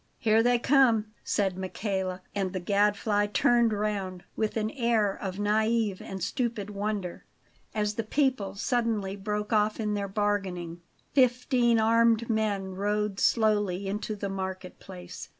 "Here they come," said Michele; and the Gadfly turned round, with an air of naive and stupid wonder, as the people suddenly broke off in their bargaining. Fifteen armed men rode slowly into the marketplace.